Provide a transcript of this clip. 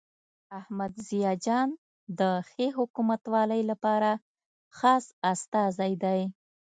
احمد ضیاء جان د ښې حکومتولۍ لپاره خاص استازی دی.